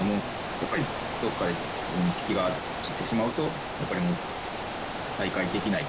やっぱりどっかで気が散ってしまうとやっぱりもう再開できないというか。